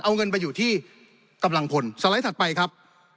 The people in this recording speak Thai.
เอาเงินไปอยู่ที่กำลังพลสไลด์ถัดไปครับ